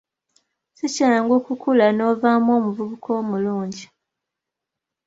Si kyangu kukula novaamu omuvubuka omulungi.